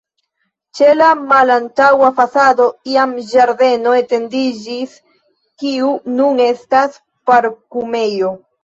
Ĉe la malantaŭa fasado iam ĝardeno etendiĝis, kiu nun estas parkumejo.